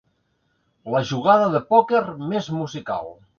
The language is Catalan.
La jugada de pòquer més musical.